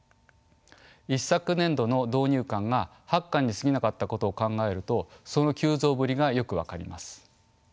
一昨年度の導入館が８館にすぎなかったことを考えるとその急増ぶりがよく分かります。